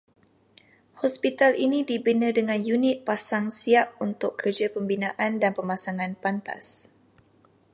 Hospital ini dibina dengan unit pasang siap untuk kerja pembinaan dan pemasangan pantas